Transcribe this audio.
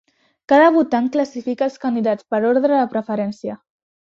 Cada votant classifica els candidats per ordre de preferència.